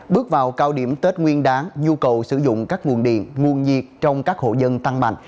bước vào cao điểm tết nguyên đáng nhu cầu sử dụng các nguồn điện nguồn nhiệt trong các hộ dân tăng mạnh